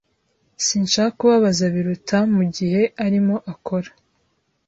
Sinshaka kubabaza Biruta mugihe arimo akora.